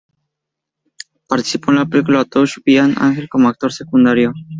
Participó en la película "Touched by an Angel" como actor secundario.